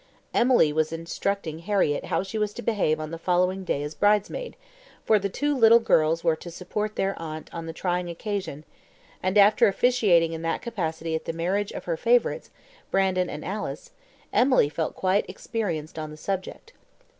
Emily was instructing Harriett how she was to behave on the following day as bridesmaid, for the two little girls were to support their aunt on the trying occasion; and after officiating in that capacity at the marriage of her favourites, Brandon and Alice, Emily felt quite experienced on the subject.